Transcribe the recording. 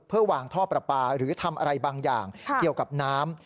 เพื่อวางท่อประปาหรือทำอะไรบางอย่างเกี่ยวกับน้ำ